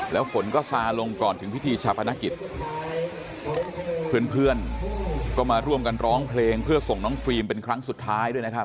แล้วฝนก็ซาลงก่อนถึงพิธีชาปนกิจเพื่อนเพื่อนก็มาร่วมกันร้องเพลงเพื่อส่งน้องฟิล์มเป็นครั้งสุดท้ายด้วยนะครับ